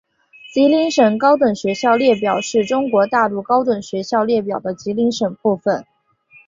吉林省高等学校列表是中国大陆高等学校列表的吉林省部分。